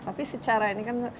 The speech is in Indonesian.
tapi secara ini kan